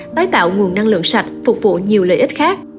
tái tạo nguồn năng lượng sạch phục vụ nhiều lợi ích khác